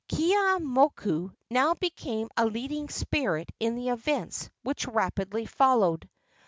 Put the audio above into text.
Keeaumoku now became a leading spirit in the events which rapidly followed.